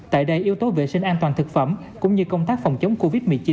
tại đây yếu tố vệ sinh an toàn thực phẩm cũng như công tác phòng chống covid một mươi chín